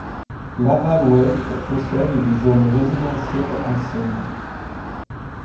Laval-Ouest possède des zones résidentielles anciennes.